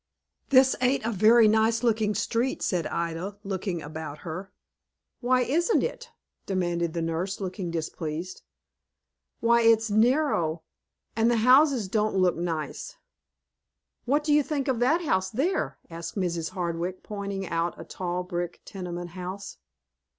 "This ain't a very nice looking street," said Ida, looking about her. "Why isn't it?" demanded the nurse, looking displeased. "Why, it's narrow, and the houses don't look nice." "What do you think of that house, there?" asked Mrs. Hardwick, pointing out a tall, brick tenement house.